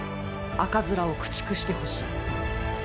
赤面を駆逐してほしい！